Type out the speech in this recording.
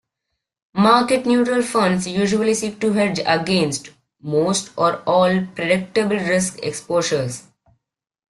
Market neutral funds usually seek to hedge against most or all predictable risk exposures.